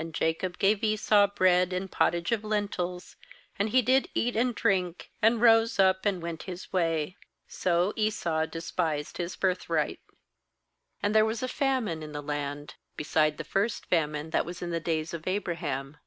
Jacob gave Esau bread and pottage of lentils; and he did eat and drink, and rose up, and went Ms way. So O fc And there was a famine hi the land, beside the first famine that was in the days of Abraham.